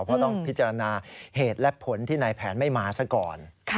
เพราะต้องพิจารณาเหตุและผลที่นายแผนไม่มาซะก่อน